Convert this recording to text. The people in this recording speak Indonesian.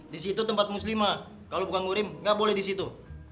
di situ tempat muslimah kalau bukan ngurim nggak boleh di situ